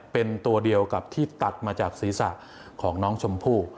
เป็นตัวเดียวกับที่ตัดมาจากศีรษะของน้องชมพู่